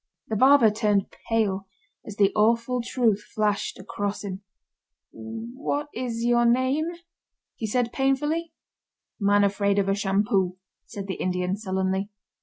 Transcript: The barber turned pale as the awful truth flashed across him. "What is your name?" he said painfully. "Man Afraid Of A Shampoo," said the Indian, sullenly.